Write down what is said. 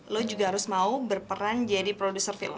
lo juga harus mau berperan jadi produser film